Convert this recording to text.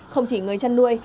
không chỉ người chăn nuôi